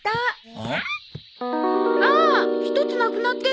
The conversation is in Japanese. えっ？